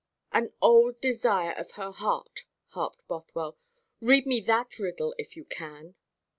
"An old desire of her heart," harped Bothwell; "read me that riddle if you can."